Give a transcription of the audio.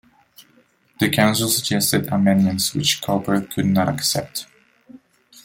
The Council suggested amendments which Cowper could not accept.